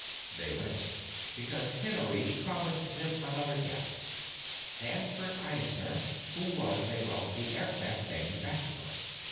They went, because Hennery promised them another guest—Sanford Eisner, who was a wealthy aircraft manufacturer.